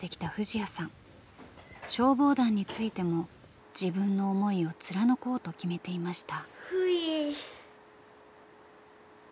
消防団についても自分の思いを貫こうと決めていました。